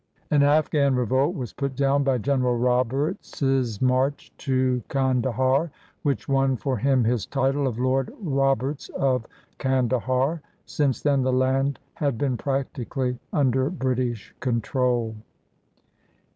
An Afghan revolt was put down by General Roberts's march to Kandahar, which won for him his title of Lord Roberts of Kandahar. Since then the land had been practically under British control.